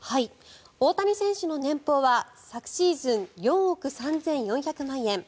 大谷選手の年俸は昨シーズン、４億３４００万円。